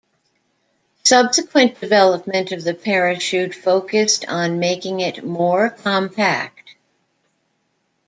Subsequent development of the parachute focussed on making it more compact.